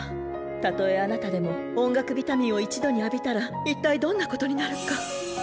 たとえあなたでも音楽ビタミンを一度に浴びたら一体どんなことになるか。